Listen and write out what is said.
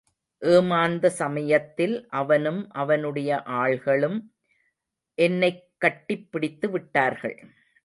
ஏமாந்த சமயத்தில் அவனும் அவனுடைய ஆள்களும் என்னைக் கட்டிப் பிடித்துவிட்டார்கள்.